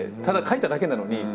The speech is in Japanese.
ただ書いただけなのに。